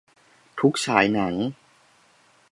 ทุกฉายหนัง